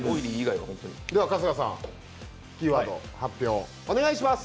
春日さん、キーワード発表をお願いします！